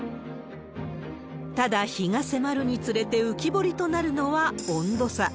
ただ、日が迫るにつれて浮き彫りとなるのは温度差。